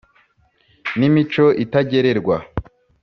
N ' imico itagererwa,